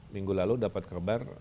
minggu lalu dapat kabar